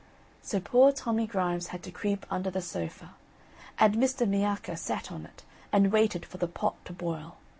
So poor Tommy Grimes had to creep under the sofa, and Mr. Miacca sat on it and waited for the pot to boil.